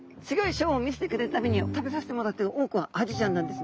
ショーを見せてくれる度に食べさせてもらってる多くはアジちゃんなんですね。